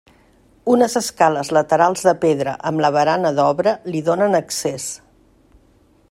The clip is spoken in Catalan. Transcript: Unes escales laterals de pedra amb la barana d'obra li donen accés.